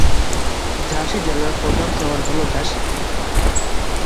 ঝাঁসি জেলার প্রধান শহর হ'ল ঝাঁসি।